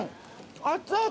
熱々。